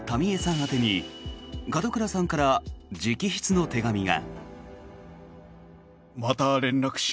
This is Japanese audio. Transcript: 宛てに門倉さんから直筆の手紙が。